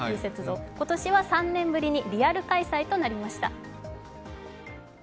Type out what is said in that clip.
今年は３年ぶりにリアル開催となりました。